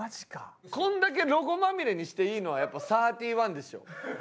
これだけロゴまみれにしていいのはやっぱサーティワンでしょ。